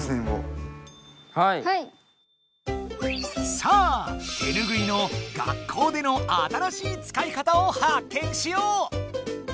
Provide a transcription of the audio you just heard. さあ手ぬぐいの学校での新しいつかいかたをハッケンしよう！